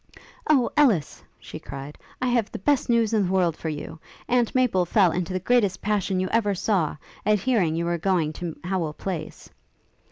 'O Ellis,' she cried, 'I have the best news in the world for you! Aunt Maple fell into the greatest passion you ever saw, at hearing you were going to Howel Place.